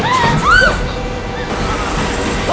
jadi yang saya monasterkan baik baik saja